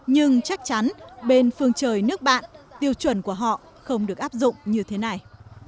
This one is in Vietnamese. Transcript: nhưng chắc chắn bên phương trời nước bạn tiêu chuẩn của họ không được áp dụng như thế này